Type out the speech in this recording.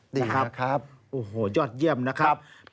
ก็บอกกันนะครับโอ้โหยอดเยี่ยมนะครับ